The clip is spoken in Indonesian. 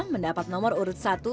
mendapat nomor urut satu